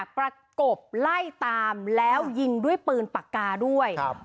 ประกบไล่ตามแล้วยิงด้วยปืนปากกาด้วย